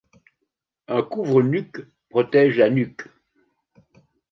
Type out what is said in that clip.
Un couvre-nuque protège la nuque.